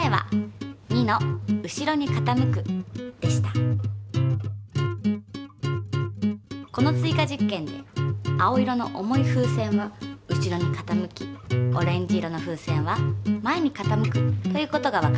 答えはこの追加実験で青色の重い風船は後ろに傾きオレンジ色の風船は前に傾くという事がわかりました。